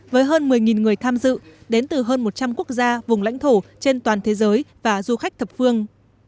với hơn một mươi người tham dự đến từ hơn một trăm linh quốc gia vùng lãnh thổ trên toàn thế giới và du khách thập phương